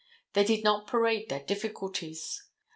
They did not parade their difficulties.